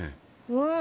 うん！